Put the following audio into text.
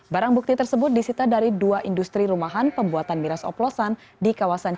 barang bukti tersebut disita dari dua industri rumahan pembuatan miras oplosan di kawasan